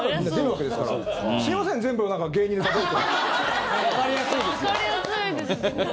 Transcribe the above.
わかりやすいです。